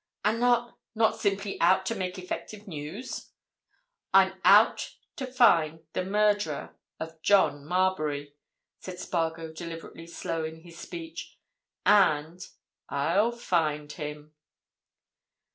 "And not—not simply out to make effective news?" "I'm out to find the murderer of John Marbury," said Spargo deliberately slow in his speech. "And I'll find him."